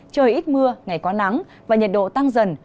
trời ít mưa ngày có nắng và nhiệt độ tăng dần